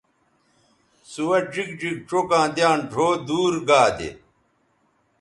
سوہ ڙیگ ڙیگ چوکاں دیان ڙھؤ دور گا دے